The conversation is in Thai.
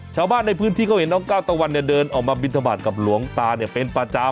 ชาวบ้านในพื้นที่เขาเห็นน้องก้าวตะวันเนี่ยเดินออกมาบินทบาทกับหลวงตาเนี่ยเป็นประจำ